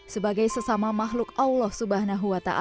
sebagai sesama makhluk allah swt